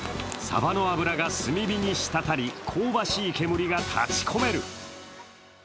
さばの脂が炭火にしたたり、香ばしい煙が立ちこめる。